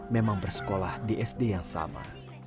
memang bersekolah di sd yang sama